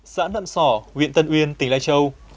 giãn hậm sỏ huyện tân uyên tỉnh lai châu